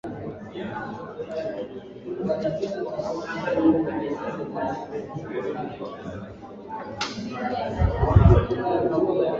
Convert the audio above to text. richard norris alikuwa abiria wa daraja la kwanza